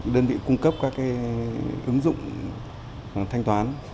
đơn vị cung cấp các ứng dụng thanh toán